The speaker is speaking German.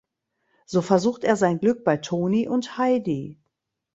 So versucht er sein Glück bei Toni und Heidi.